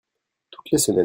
Toutes les semaines.